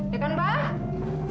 ya kan pak